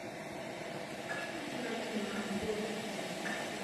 Proto byla zahájena modernizace trati.